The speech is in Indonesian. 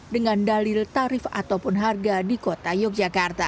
dengan dalil tarif ataupun harga di kota yogyakarta